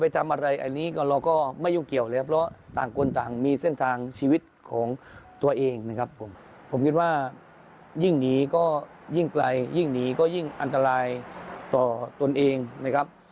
ทีนี้นะครับยิ่งไกลยิ่งหนีก็ยิ่งอันตรายต่อตนเองนะครับ